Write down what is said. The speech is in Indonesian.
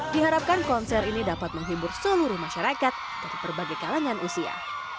diharapkan konser ini dapat menghibur seluruh masyarakat dari berbagai kalangan usia